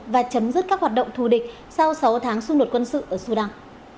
và chấm dứt các hoạt động thù địch sau sáu tháng xung đột quân sự ở sudan